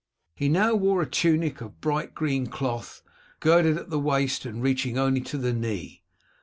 He now wore a tunic of a bright green cloth, girded in at the waist and reaching only to the knee.